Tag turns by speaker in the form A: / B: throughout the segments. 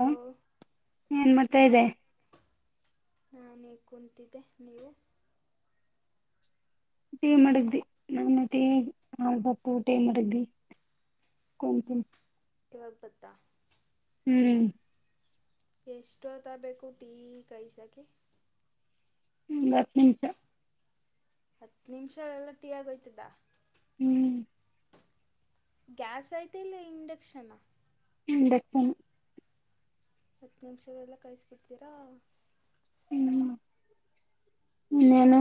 A: ಹ ಏನ್ ಮಾಡ್ತಾ ಇದೆ
B: ನಾನೇ ಕುಂತಿದ್ದೆ ನೀವ
A: ಊಟೀ ಮಾಡಡಗ್ದಿ ನಾನಟ ಹಾ ಬಪ್ಪು ಊಟಿ ಮಾಡಗ್ದಿ ಕಕನ್
B: ಇವಾಗ ಬತ್ತಾ
A: ಹ್ಮ್
B: ಎಷ್ಟೊತ್ತರ ಬೇಕು ಟೀ ಕಾಯಸೋಕೆ
A: ಬರ್ಶಚ
B: ಹತ್ತು ನಿಮಿಷಗಳೆಲ್ಲ ಟೀ ಆಗೋಯ್ತದ
A: ಹ್ಮ್
B: ಗ್ಯಾಸ್ ಐತೆ ಇಲ್ಲ ಇಂಡಕ್ಷನಾ
A: ಇಂಡಕ್ಷನ್
B: ಹತ್ತು ನಿಮಿಷಗಳೆಲ್ಲ ಕಾಯಿಸಬಿಡ್ತೀರಾ
A: ಹ್ಮ್ ಇನ್ನೇನು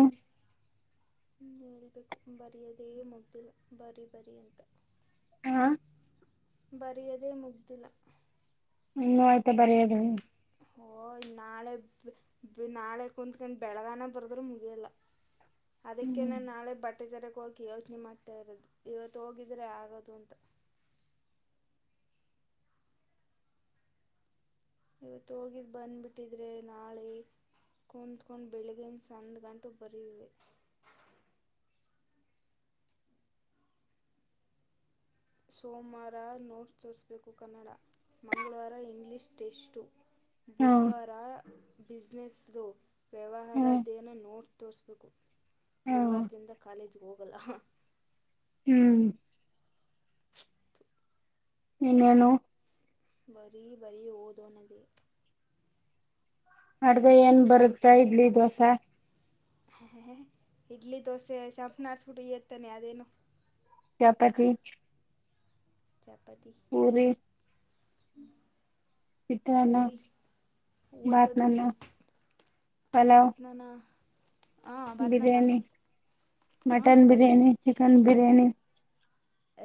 B: ನೀ ಹೇಳ್ಬೇಕು ಬರಿ ಅದೇ ಮುಗ್ದಿಲ್ಲ ಬರಿೀ ಬರ ಅಂತ
A: ಹಾ
B: ಬರೆಯದೇ ಮುಗ್ದಲ
A: ಹೂ ಆಯ್ತಾ ಬರಿೆಯೋದ
B: ಹ ನಳೆ ನಾಳೆ ಕುತ್ಕಂಡು ಬೆಳಗಾನ ಬರದ್ರೆ ಮುಗಿಯಲ್ಲ ಅದಕ್ಕೆೇ
A: ಹ್ಮ್
B: ನಾ ನಾಳೆ ಬಟ್ಟೆ ತರಗೆ ಹೋಗಕಿ ಯೋಚನೆ ಮಾಡ್ತಾ ಇರೋದು ಇವತ್ತು ಹೋಗಿದ್ರೆ ಆಗದು ಅಂತ ಇವತ್ತು ಹೋಗಿದ್ದು ಬಂದು್ಬಿಟ್ಟಿದ್ರೆ ನಾಳೆ ಕುತ್ಕೊಂಡು ಬೆಳಿಗ್ಗೆಿನ ಸಂಧ ಗಂಟು ಬರಿೆ ಸೋಮವಾರ ನೋಟ್ಸ್ ತೋರಿಸ್ಬೇಕು ಕನ್ನಡ ಮಂಗಳವಾರ ಇಂಗ್ಲೀಷ್ ಟೆಸ್ು
A: ಹಾ
B: ಬುಧವಾರ ಬಿಸಿಸಿನೆಸ್ ಲ
A: ಹ್ಮ
B: ವ್ಯವಹಾರಧೇನ ನೋಟ್ ತೋರಿಸ್ಬೇಕು
A: ಹಾ
B: ಗುರುವಾರದಿಂದ ಕಾಲೇಜಿಗೆ ಹೋಗಲ್ಲ
A: ಹ್ಮ್ ಇನ್ನೇನು
B: ಬರೀ ಬರೀ ಓದೋನದ
A: ಅಡ್ದ ಏನ್ ಬರುತ್ತ ಇಡ್ಲಿ ದೋಸೆ
B: ಹಾ ಇಡ್ಲಿ ದೋಸೆ ಚಂಪುನ ಆಡ್ಸ್ಬಿಟ್ಟು ಇತಾನೆ ಅದೇನು
A: ಚಪತಿಿ
B: ಜಪತಿಿ
A: ಪೂರಿ
B: ಹ್ಮ
A: ಚಿತ್ರಾನ್ನ
B: ಪೂರಿ
A: ಬಾತ್ನನ್ನ
B: ಹತ್ತುದವಿ
A: ಪಲಾವ್
B: ಬಾತನಾಾನಾ ಹಾಂ ಬತ್ನಮ್ಮ
A: ಬಿರಿಯಾನಿ
B: ಹಾಂ
A: ಮಟನ್
B: ಬರುತ್ತೆ
A: ಬಿರಿಯಾನಿ ಚಿಕನ್ ಬಿರಿಯಾನಿ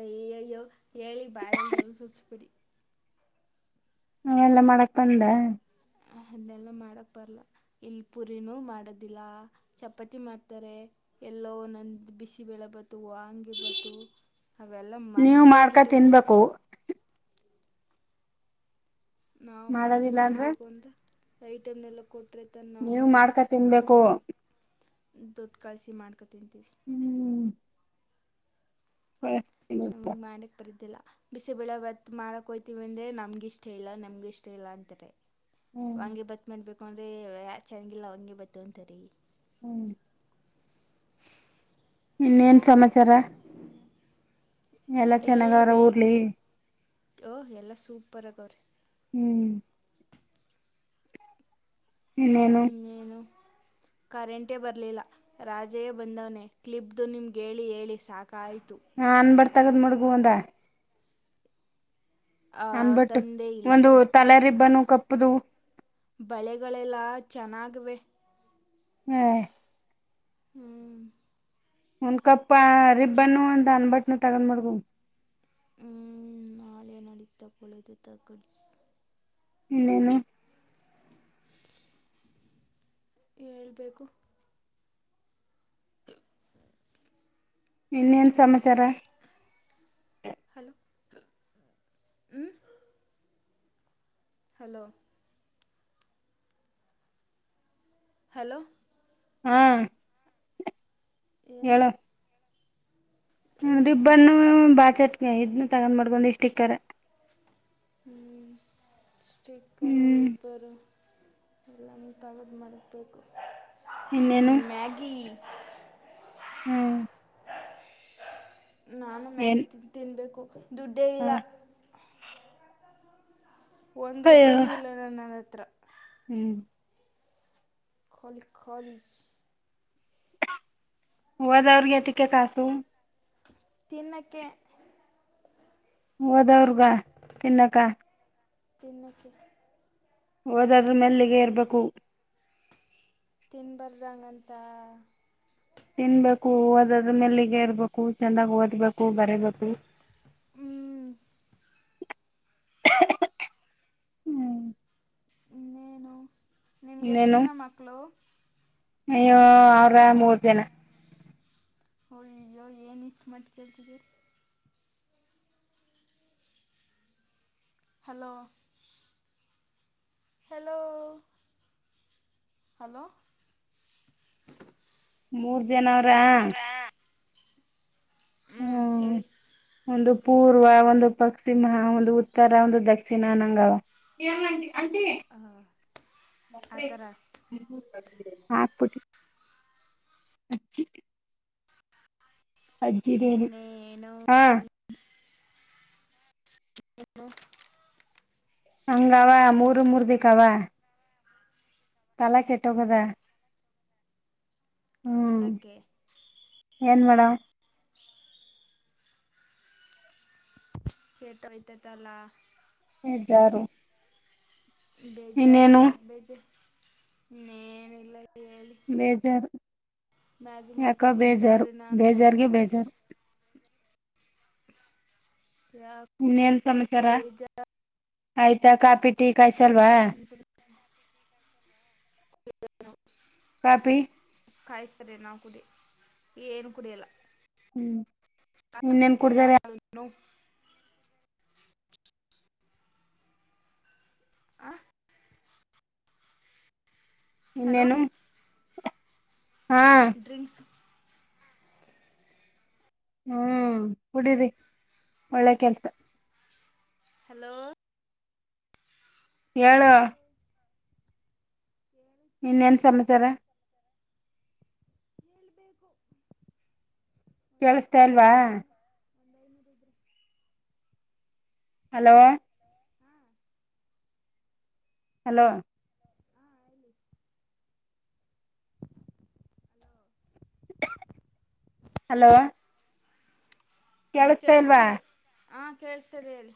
B: ಅಯ್ಯ ಅಯ್ಯೋ ಹೇಳಿ ಬಾಯಂದ ಸುರಿಸ್ಬಿಡಿ
A: ನೆಲ್ಲ ಮಾಡಕ್ ಬಂದ
B: ಅೆಲ್ಲ ಮಾಡೋಕ್ಕೆ ಬರಲ್ಲ ಇಲ್ಲಿ ಪುರಿನೂ ಮಾಡೋದಿಲ್ಲ ಚಪಾತಿ ಮಾಡ್ತಾರೆ ಎಲ್ಲೋ ನೊಂದು ಬಿಸಿ ಬೆಳೆಬತು ವಂಗಿರ್ ಬತು ಅವೆಲ್ಲ
A: ನೀವು
B: ಮರ್ತೇ
A: ಮಾಡ್ಕ
B: ಬಿಟ್ಟೀವಿ
A: ತಿನ್ಬೇಕು
B: ನಾವು ಮಾಡ್ಕೊ ತಿನ್ಬೇಕು ಅಂದ್ರೆ ಐಟಮ್ ಎಲ್ಲ ಕೊಟ್ರ
A: ನೀವು ಮಾಡ್ಕಾ ತಿನ್ಬೇಕು
B: ದುಡ್ಡು ಕಳಿಸಿ ಮಾಡ್ಕೊತಂತೀವಿ
A: ಹ್ಮ್ ಹ್ಮ
B: ನಮಗೆ ಮಾಡಕ್ ಬರಿದ್ದಿಲ್ಲ ಬಿಸಿಬಳೆ ಭತ್ ಮಾಡೋಕ್ಕೆೋಯ್ತೀವಿ ಅಂದರೆ ನಮ್ಗಿಷ್ಟ ಇಲ್ಲ ನಮಗ ಇಷ್ಟ ಇಲ್ಲ ಅಂತಾರೆ
A: ಹ್ಮ್
B: ಹಾಂಗಗೆ ಬತ್ ಮಾಡ್ಬೇಕು ಅಂದ್ರೆ ಯ ಚೆನ್ನಾಗಿಿಲ್ಲ ಹಂಗಗೆ ಬತ್ ಅಂತರಿ
A: ಹ್ಮಞ ಇನ್ನೇನ್ ಸಮಾಚಾರ ಎಲ್ಲಾ ಚೆನ್ನಾಗವ್ರ
B: ಳ್ಬೇಕ
A: ಊರ್ಲಿ
B: ಓಹ ಎಲ್ಲ ಸೂಪರ್ ಆಗ ಅವ್ರೀ
A: ಹ್ಮ್
B: ಇನ್ನೇನು? ಕರೆಂಟೇ ಬರಲಿಲ್ಲ? ರಾಜೆಯೇ ಬಂದವನೇ ಕ್ಲಿಪ್ದು ನಿಮ್ಗೆ ಹೇಳಿ ಹೇಳಿ ಸಾಕಾಯಿತು?
A: ಹಾ ಅನ್ ಬಟ್ ತಗದು ಮುಡ್ಗು ಒಂದ.
B: ಹಾ
A: ಅನ್ಬಟ್ಟು
B: ತಂದೆ ಇಲ್ಲ
A: ಒಂದು ತಲೆ
B: ಬ
A: ರಿಬ್ಬನು ಕಪ್ಪದು
B: ಬಳೆಗಳೆಲ್ಲ ಚೆನ್ನಾಗವೆ?
A: ಹೇ.. ಒಂದ್ ಕಪ್ಪ ರಿಬ್ಬನ್ನು, ಒಂದ ಅನ್ಬಟ್ನ ತಗೊಂದ್ ಮಾಡಗು
B: ಹ್ಮ್ ನಾಳೆ ನಡತ ಪಳದು ತಕ್ಕಡಿ
A: ಇನ್ನೇನು
B: ಹೇಳ್ಬೇಕು
A: ಇನ್ನೇನ್
B: ಹೆಲೋ
A: ಸಮಾಚಾರ
B: ಹಲೋ ಹಲೋ ಹಲೋ
A: ಹಾ
B: ಏನು ಏನು
A: ಹರಿಬ್ಬರ್ನ್ನು ಬಾಚಟ್ ಇದನ್ನು ತಗೊಂಡ್ ಮಾಡ್ಕೊಂಡ್ ಇಷ್ಟಿಕ್ಕರ್
B: ಹ
A: ಹ್ಮ್
B: ಸ್ಟಿಕನಪ ಎಲ್ಲಾನ ತಗದು್ ಮಾಡಬೇಕು
A: ಇನ್ನೇನು
B: ಮ್ಯಾಗಿ
A: ಹ್ಮ್
B: ನಾನು ಮ್ಯಾಗಿ
A: ಏನ್
B: ತಿನ್ ತಿನ್ಬೇಕು ದುಡ್ಡೇ
A: ಹ
B: ಇಲ್ಲ? ಒಂದು
A: ಅಯ್ಯೋ
B: ರೂಪಾಯಿನೂ ಇಲ್ಲ ನನ್ನ ಹತ್ರ
A: ಹ್ಮ್
B: ಖಾಲಿ.. ಖಾಲಿ....
A: [unintelligible]
B: ತಿನ್ನಕ್ಕೆ
A: ಹೋದ್ವರ್ಗ ತಿನ್ನಕ್ಕ
B: ತಿನ್ನಕ್ಕೆ
A: ಓದೊದ್ರ ಮೇಲೆ ನಿಗಾ ಇರ್ಬೇಕು
B: ತ ತಿನ್ಬಾರ್ದ ಅಂತಾ
A: ತಿನ್ಬೇಕು ಓದದ್ರ್ ಮೇಲ ನಿಗಾ ಇರ್ಬೇಕು ಚೆಂದಾಗ್ ಓದ್ಬೇಕು ಬರೀಬೇಕು
B: ಹ್ಮ್
A: ಹ್ಮ್
B: ಇನ್ನೇನು ನಿಮ್ಗೆ ಎಷ್ಟು
A: ಇನ್ನೇನು
B: ಜನಾ ಮಕ್ಕಳು?
A: ಅಯ್ಯೋ ಅವ್ರ ಮೂರ ಜನಾ
B: ಅಯ್ಯೋ ಏನು ಇಷ್ಟುಮ [unintelligible] ಹಲೋ ಹಲೋ ಹಲೋ
A: ಮೂರ್ ಜನವ್ರಾ
B: ಹ್ಮ್ ಹೇಳಿ
A: ಒಂದು ಪೂರ್ವ, ಒಂದು ಪಶ್ಚಿಮ, ಒಂದು ಉತ್ತರ, ಒಂದು ದಕ್ಷಿಣ, ಅನಂಗಾವ. ಹೇಮಾ ಆಂಟಿ, ಆಂಟಿ
B: ಹೇಳಿ ಆ ಥರ
A: [inaudible] ಅಜ್ಜಿರ್ ಹಾ
B: ಹ [inaudible]
A: ಹಂಗ ಅವ ಮೂರ್ ಮೂರ್ ದಿಕ್ಕ ಅವ ತಲಾ ಕೆಟ್ಟ
B: ಹ್ಮ್.
A: ಹೋಗೆದ? ಹ್ಮ್
B: ಯಾಕೆ?
A: ಏನ್ ಮಾಡುವ
B: ಕೇಟೋಹೋಯ್ತದಲ್ಲ
A: ಬೇಜಾರು
B: ಬೇಜಾರು? ಯಾಕ ಬೇಜಾರು? ಇನೇನ್ ಇಲ್ಲ ಹೇಳಿ
A: ಬೇಜಾರು
B: ಮ್ಯಾಗಿ
A: ಯಾಕೋ ಬೇಜಾರು
B: ಮಾಡ್ಕೊತಿಂತವ್ರೆ ನಾನು ಮ್ಯಾಗಿ
A: ಬೇಜಾರ್ಗೆ
B: ಮಾಡ್ಕ
A: ಬೇಜಾರು
B: [unintelligible]
A: ಇನ್ನೇನ್ ಸಮಾಚಾರ
B: ಬೇಜಾರು
A: ಆಯ್ತಾ ಕಾಫಿ ಟೀ ಕಾಯಸಲ್ವಾ
B: [unintelligible]
A: ಕಾಪಿ
B: ಕಾಯಿಸ್ತಾರೆ ನಾವು ಕುಡಿ ಏನು ಕುಡಿಯಲ್ಲಾ
A: ಹ್ಮ್ ಇನ್ನೇನ್ ಕುಡ್ದಾರ
B: [unintelligible] ಆ ಹಲೋ
A: ಇನ್ನೇನು ಹಾ
B: ಡ್ರಿಂಕ್ಸ್
A: ಹ್ಮ್ ಕುಡೀರಿ ಒಳ್ಳೆ ಕೆಲ್ಸಾ
B: ಹಲೋ.
A: ಹೇಳು.
B: ಕೇಳಿಸ್ತಾನೆ
A: ಇನ್ ಏನ್
B: ಇಲ್ಲ ಯಾಕೋ
A: ಸಮಾಚಾರ
B: ಬು ಒಂದ ದುಡ್ಡು
A: ಕೇಳಿಸತಾ
B: ಕಳ್ಸಿ
A: ಇಲ್ವಾ
B: ಒಂದ್ ಐನೂ ಒಂದ್ ಐನೂರು ಇದ್ರೆ
A: ಹಲೋ
B: ಹಾಂ
A: ಹಲೋ
B: ಹಾ ಹೇಳಿ ಹಲೋ
A: [unintelligible] ಹಲೋ ಕೇಳಿಸತಾ ಇಲ್ವಾ
B: ಕೇಳ್ಸತಿಲ್ ಹ ಕೇಳ್ಸತದೆ ಹೇಳಿ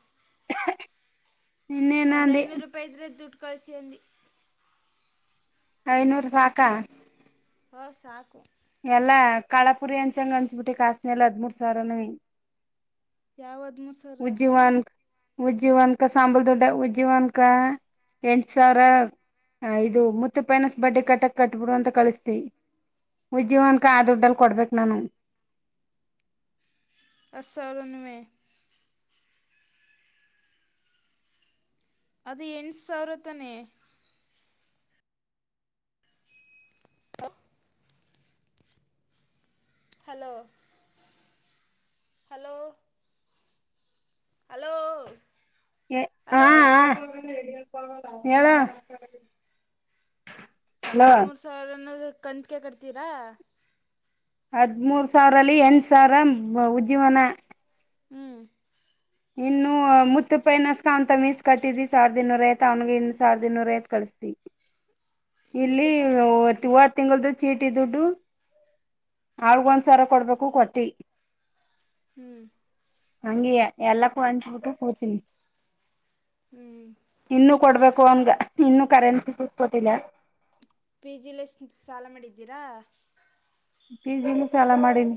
A: ಇನ್ನೇನ
B: ಒಂದ್
A: ಅಂದಿ
B: ಐನೂರು. ಪೈ ಇದ್ರೆ ದುಡ್ಡ ಕಳಸಿ ಅಂದಿ.
A: ಐನೂರು ಸಾಕಾ.
B: ಹಾ ಸಾಕು.
A: ಎಲ್ಲಾ ಕಳಾಪುರಿ ಅಂಚಗ ಅಂಚ್ ಬಿಟ್ಟಿ ಕಾಸನ ಎಲ್ಲ ಹದ್ಮೂೂರ್ ಸಾವಿರನು ಈಗ
B: ಯಾವ ಹದ್ಮು
A: ಉಜ್ಜಿವನ್ರ. ಉಜ್ಜೀಿವನಕ ಸಾಂಬಲ್ ದೊಡ್ಡ ಉಜ್ಜೀಿವನಕ ಎಂಟ ಸಾವಿರ. ಹ ಇದು ಮುತ್ತ ಪೈನಸ್ ಬಡ್ಡೆ ಕಟ್ಟಕ್ ಕಟ್ಬಿಡು ಅಂತ ಕಳಿಸ್ತತಿ. ಉಜ್ಯೀವನಕ ಆ ದುಡ್ಡಲ್ಲಿ ಕೊಡ್ಬೇಕು ನಾನು.
B: ಹತ್ತಸಾವಿರನುವೆ. ಅದ ಎಂಟು ಸಾವಿರ ತನೇ. ಹಲೋ [unintelligible] ಹಲೋ ಹಲೋ
A: ಎ ಹಾ
B: ಹಲೋ
A: ಹಾ ಹೇಳ.
B: ಹದ್ಮೂರು ಸಾವಿರ ಅನ್ನೋದ್ ಕಂತಕೆ ಕಟ್ತೀರಾ.
A: ಹದ್ಮೂರ್ ಸಾವಿರಲ್ಲಿ ಎಂಟ ಸಾವಿರ ಉಜ್ಜಿವನ.
B: ಹ್ಮ್
A: ಇನ್ನು ಮುತ್ತ ಪೈನಸ್ಕ ಅವಂತ ಮೀಸ್ ಕಟ್ಟಿದಿ ಸಾವಿರದ ಇನ್ನೂರ ಐತ ಅವನಿಗೆ ಇನ್ನ ಸಾವಿರದ ಇನ್ನೂರ ಐವತ್ತು ಕಳಿಸತಿ.
B: ಇನ್ಕದ
A: ಇಲ್ಲಿವತ್ತ್ತ. ತಿಂಗಳ ದ ಚೀಟಿ ದುಡ್ಡು ಆಳ್ಗ ಒಂದ್ಸವಿರ ಕೊಡ್ಬೇಕು ಕೊಟ್ಟಿ.
B: ಹ್ಮ್
A: ಹಂಗೆಯಾ ಎಲ್ಲಕ್ಕೂ ಅನ್ಚ್ಬಿಟ್ಟು ಕುತಿನಿ.
B: ಹ್ಞೂ
A: ಇನ್ನುೂ ಕೊಡ್ಬೇಕು ಅವನ್ಗ ಇನ್ನು ಕರೆನ್ಸಿ ದುಡ್ಡ ಕೊಟ್ಟಿಲ.
B: ಪಿ ಜಿ ಲಿ ಎಸ್ಟ ಸಾಲ ಮಾಡಿದ್ದೀರಾ?
A: ಪಿ ಜಿ ಲಿ ಸಾಲ ಮಾಡಿನಿ.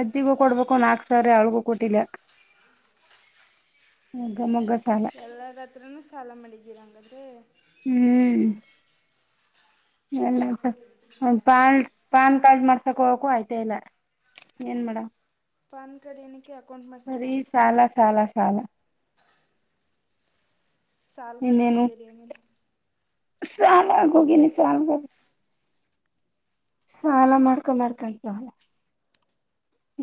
A: ಅಜ್ಜಿಗು ಕೊಡಬೇಕು ನಾಕ ಸಾವಿರ ಅವಳ್ಳಗೂ ಕೊಟ್ಟಿಲ್ಲ. ಹ ಗ ಮಗ್ಗ ಸಾಲ
B: ಎಲ್ಲಾರ ಅತ್ರನು ಸಾಲ ಮಡಿದಿರಾ ಅಂಗದ್ರೆ.
A: ಹ್ಮ್ ಎಲ್ಲ ಒ ಪಾ ಒಂದ ಪಾನ್ ಪಾನ್ ಕಾರ್ಡ್ ಮಾಡ್ಸಕ್ ಹೋಗಕ ಆಯ್ತಾ ಇಲ್ಲ. ಏನ್ ಮಾಡವ.
B: ಪಾನ್ ಕಡ್ ಎನ [unintelligible]
A: ಬರಿ ಸಾಲ ಸಾಲ ಸಾಲ
B: ಸಾಲಗಾರ ಆಗೋದ್ರಿ ಏನ್ ಇಲ್ಲಿ.
A: ಸಾಲಆಗಿ ಹೋಗಿನಿ ಸಾಲದಲ್ಲಿ. ಸಾಲ ಮಾಡ್ಕೊ ಮಾಡ್ಕ [unintelligible]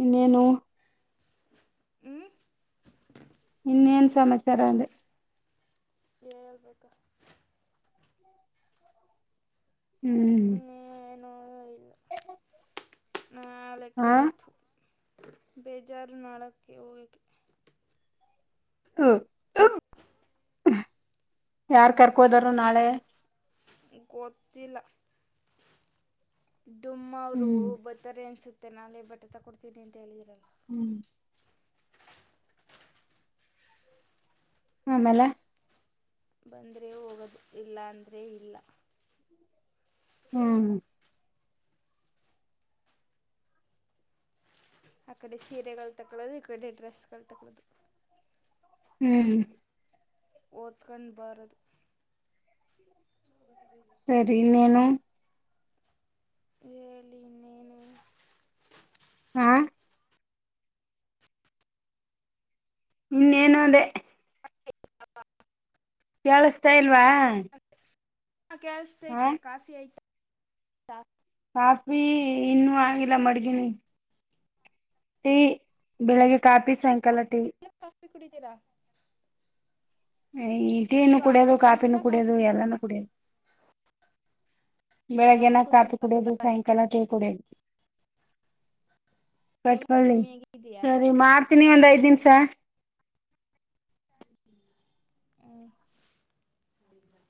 A: ಇನ್ನೇನು.
B: ಹ್ಞೂ
A: ಇನ್ನೇನ್ ಸಮಾಚಾರ ಅಂದೆ.
B: ಹೇಲಬೇಕು.
A: ಹ್ಮ್.
B: ಇನ್ನೇನು
A: [inaudible] ಹಾ
B: ನಾಳಕ್ಕೆು ಬೇಜಾರು ನಾಳಕ್ಕೆ ಹೋಗಕ್ಕೆ.
A: ಹ [inaudible] ಯಾರ್ ಕರ್ಕೋದರು ನಾಳೆ.
B: ಗೊತ್ತಿಲ್ಲ ಡುಮ್ಮ ಅವ್ರು
A: ಹ್ಮ್
B: ಬ ರ್ತಾರೆ ಅನಿಸುತ್ತೆ ನಾಳೆ ಬಟ್ಟೆ ತಗೊಡ್ತೀನಿ ಅಂತ ಹೇಳಿದರಲ್ಲ.
A: ಹ್ಮ್. ಆಮೇಲೆ.
B: ಬಂದ್ರೆ ಹೋಗೋದು ಇಲ್ಲ ಅಂದ್ರೆ ಇಲ್ಲ.
A: ಹ್ಮ್.
B: ಅಕ್ಕಡೆ ಸೀರೆ ಕಲ್ತಕ್ಕಲದು ಇಕ್ಕಡೆ ಡ್ರೆಸಗಳ ತಕಳದು.
A: ಹ್ಮ್.
B: ಓದ್ಕೊಂಡ ಬರದು. [unintelligible]
A: ಸರಿ ಇನ್ನೇನು.
B: ಹೇಳಿ ಇನ್ ಏನ್.
A: ಹಾ. ಇನ್ನೇನು ಅದೇ. ಕೇಳಸ್ತಾ ಇಲ್ವಾ.
B: ಹ
A: ಹ
B: ಕೇಳಸ್ತೈತೆ ಕಾಫಿ ಐತ
A: ಕಾಫಿ ಇನ್ನೂ ಆಗಿಲ್ಲ ಮಡಗಿವನಿ. ಟೀ ಬೆಳಿಗ್ಗೆ ಕಾಫಿ ಸಾಯಂಕಾಲ ಟೀ.
B: ಕಾಫಿ ಕುಡಿತೀರಾ.
A: ಈ ಟೀನು
B: ನೀವು
A: ಕುಡಿಯೋದು
B: ಹಾಲು
A: ಕಾಫಿನೂ
B: ಕುಡಿತೀರಾ ಕಾಫಿ
A: ಕುಡಿಯೋದು
B: ಕುಡಿ
A: ಎಲ್ಲಾನೂ ಕುಡಿಯೋದು.
B: [inaudible]
A: ಬೆಳಗ್ಗೆನ
B: ಹಾಲು
A: ಕಾಪಿ
B: ಕುಡಿಬಾರ್ದು
A: ಕುಡೋದು
B: ಗಂಟಲು
A: ಸಾಯಂಕಾಲ ಟಿ ಕುಡೋದು.
B: ಕೆಮ್ಮು
A: ಕಟ್ಕೊಳ್ಳಿ
B: ಕಮ್ಮಿಯಾಗಿದೆಯಾ
A: ಸರಿ ಮಾಡ್ತೀನಿ ಒಂದ್ ಐದ್ ನಿಮ್ಸ.
B: ಹ [inaudible]